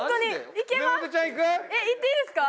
いっていいですか？